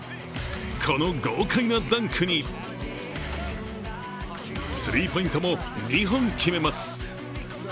この豪快なダンクに、スリーポイントも２本決めます。